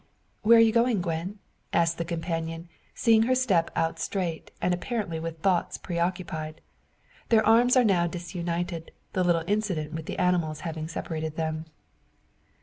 "Where are you going, Gwen?" asks the companion, seeing her step out straight, and apparently with thoughts preoccupied. Their arms are now disunited, the little incident with the animals having separated them.